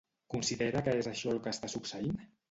Considera que és això el que està succeint?